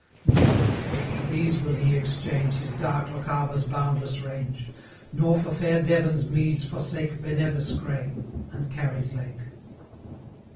No! not for these will he exchange His dark Lochaber's boundless range; Not for fair Devon's meads forsake 150 Bennevis grey, and Carry's lake.